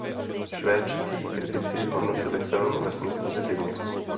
Švédští kritici hodnotili film vesměs pozitivně.